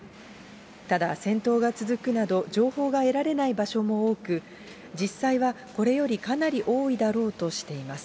ただ戦闘が続くなど、情報が得られない場所も多く、実際はこれよりかなり多いだろうとしています。